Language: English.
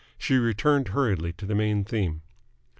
She returned hurriedly to the main theme.